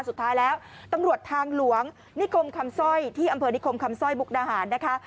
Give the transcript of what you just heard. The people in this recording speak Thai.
สุดท้ายแล้วตำรวจทางหลวงนิคมคำสร้อยที่อำเภอนิคมคำสร้อยมุกดาหารนะคะ